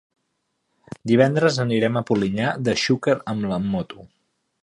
Divendres anirem a Polinyà de Xúquer amb moto.